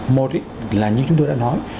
một là như chúng tôi đã nói